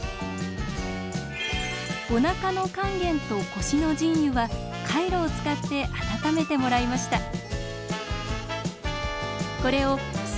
おなかの関元と腰の腎兪はカイロを使って温めてもらいました。